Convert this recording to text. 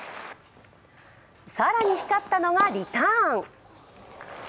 更に光ったのがリターン。